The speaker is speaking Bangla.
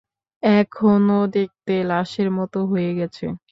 এখন ও দেখতে লাশের মতো হয়ে গেছে।